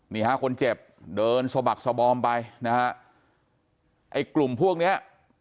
นี่ฮะคนเจ็บเดินสะบักสบอมไปนะฮะไอ้กลุ่มพวกเนี้ย